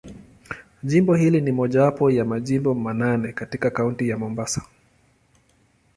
Jimbo hili ni mojawapo ya Majimbo manne katika Kaunti ya Mombasa.